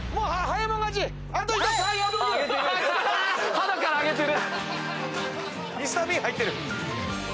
はなから上げてる！